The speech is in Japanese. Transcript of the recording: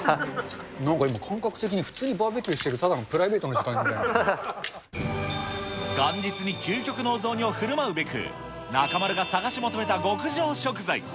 なんか今、感覚的に普通にバーベキューしてる、元日に究極のお雑煮をふるまうべく、中丸が探し求めた極上食材。